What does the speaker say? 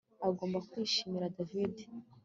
Ugomba kwishimira David